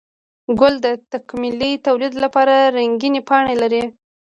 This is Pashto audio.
گل د تکميلي توليد لپاره رنګينې پاڼې لري